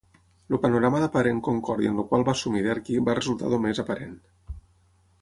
El panorama d'aparent concòrdia en el qual va assumir Derqui va resultar només aparent.